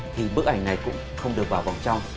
thì bức ảnh này cũng không được vào vòng trong